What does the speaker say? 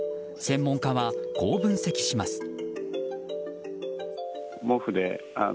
専門家はこう分析します。